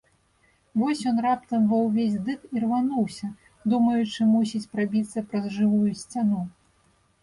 Вось ён раптам ва ўвесь дух ірвануўся, думаючы, мусіць, прабіцца праз жывую сцяну.